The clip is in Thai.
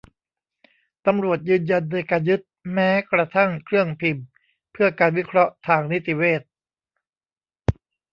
ตำรวจยืนยันในการยึดแม้กระทั่งเครื่องพิมพ์เพื่อการวิเคราะห์ทางนิติเวช